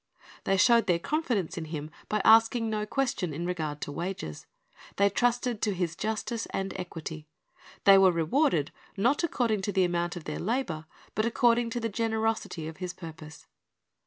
They showed their confidence in him by asking no question in regard to wages. They trusted to his justice and equity. They were rewarded, not according to the amount of their labor, but according to the generosity of his purpose.